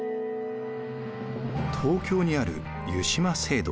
東京にある湯島聖堂。